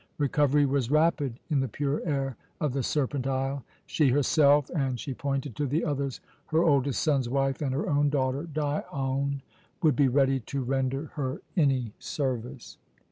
Recovery was rapid in the pure air of the Serpent Isle. She herself, and she pointed to the others her oldest son's wife, and her own daughter, Dione, would be ready to render her any service.